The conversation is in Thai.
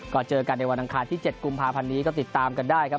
ก็เจอกันในวันอังคารที่๗กุมภาพันธ์นี้ก็ติดตามกันได้ครับ